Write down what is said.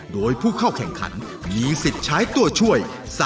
โดยผู้เข้าแข่งขันมีสิทธิ์ใช้ตัวช่วย